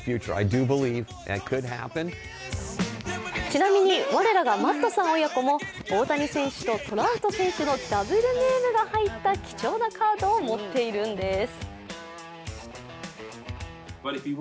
ちなみに、我等がマットさん親子も大谷選手とトラウト選手のＷネームが入った貴重なカードを持っているんです。